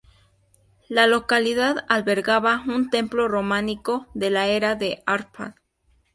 La localidad albergaba un templo románico de la era de Árpád.